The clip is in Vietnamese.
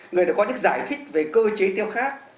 người đã có những giải thích về cơ chế tiêu khát